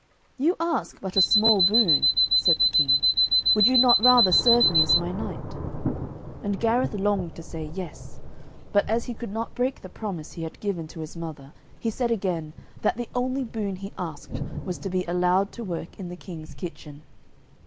'You ask but a small boon,' said the King. 'Would you not rather serve me as my knight?' And Gareth longed to say 'Yes.' But as he could not break the promise he had given to his mother, he said again, that the only boon he asked was to be allowed to work in the King's kitchen.